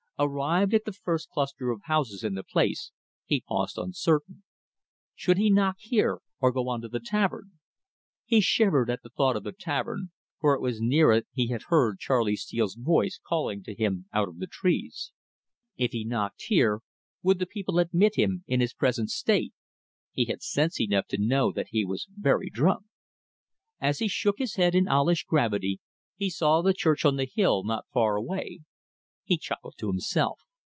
Arrived at the first cluster of houses in the place, he paused uncertain. Should he knock here or go on to the tavern? He shivered at thought of the tavern, for it was near it he had heard Charley Steele's voice calling to him out of the trees. If he knocked here, would the people admit him in his present state? he had sense enough to know that he was very drunk. As he shook his head in owlish gravity, he saw the church on the hill not far away. He chuckled to himself.